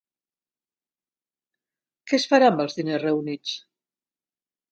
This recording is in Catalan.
Què es farà amb els diners reunits?